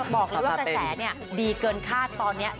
บอกเลยว่ากระแสดีเกินคาดตอนนี้